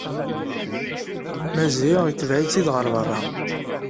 Maziɣ itbeɛ-itt-id ɣer berra.